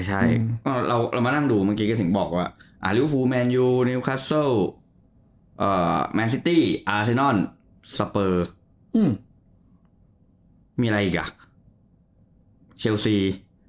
ใช่เรามานั่งดูเมื่อกี้ก็ถึงบอกว่าลิเวฟูแมนยูนิวคัสเซิลแมนซิตี้อาเซนอนสเปอร์มีอะไรอีกอ่ะเชลซี